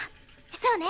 そうね。